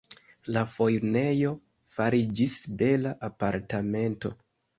La fojnejo fariĝis bela apartamento.